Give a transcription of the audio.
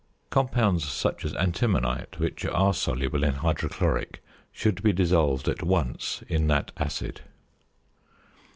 Compounds such as antimonite which are soluble in hydrochloric should be dissolved at once in that acid.